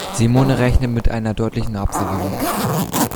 Simone rechnet mit einer deutlichen Absage.